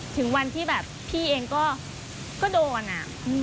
ถึงวันที่แบบพี่เองก็โดนอะ